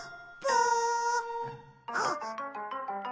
あっ！